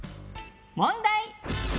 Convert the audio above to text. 問題！